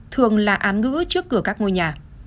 thường là án ngữ trước cửa các ngôi nhà